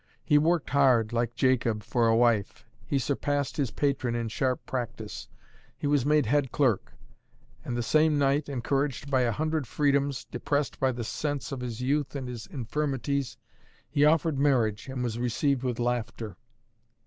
He worked hard, like Jacob, for a wife; he surpassed his patron in sharp practice; he was made head clerk; and the same night, encouraged by a hundred freedoms, depressed by the sense of his youth and his infirmities, he offered marriage and was received with laughter.